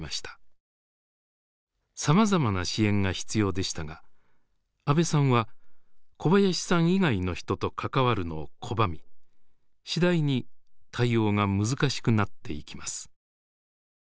さまざまな支援が必要でしたが阿部さんは小林さん以外の人と関わるのを拒み次第に対応が難しくなっていきます。